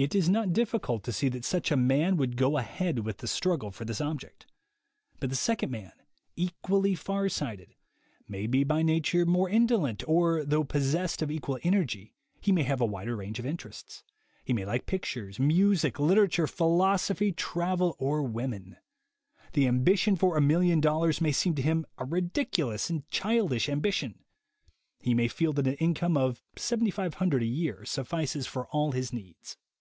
It is not difficult to see that such a man would go ahead with the struggle for this object. But the second man, equally farsighted, may be by nature more indolent, or, though pos sessed of equal energy, he may have a wider range of interests; he may like pictures, music, litera ture, philosophy, travel or women; the ambition for a million dollars may seem to him a ridiculous and childish ambition ; he may feel that an income of $7,500 a year suffices for all his needs.